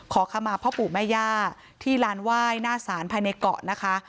ขอขมาพ่อปู่แม่ย่าที่ลานไหว้หน้าศาลภายในเกาะนะคะ